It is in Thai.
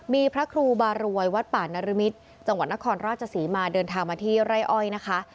มีพระครูบารวยวัดป่านรมิตรจังหวัดนครราชศรีมาเดินทางมาที่ไร่อ้อยนะคะ